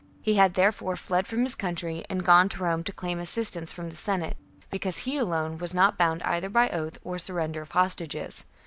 He had therefore fled from his country and gone to Rome to claim assistance from the Senate, because he alone was not bound either by oath or surrender of hostages.